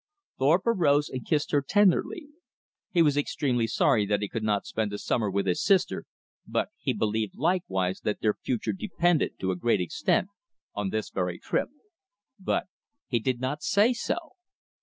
Thorpe arose and kissed her tenderly. He was extremely sorry that he could not spend the summer with his sister, but he believed likewise that their future depended to a great extent on this very trip. But he did not say so.